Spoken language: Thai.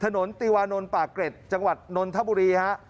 ตีวานนท์ปากเกร็ดจังหวัดนนทบุรีฮะ